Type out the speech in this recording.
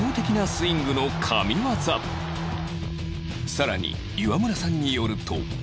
まさにさらに岩村さんによると